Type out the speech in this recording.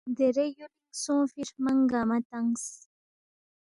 (درے یولِنگ سونگفی دے ہرمنگ گنگما تنگس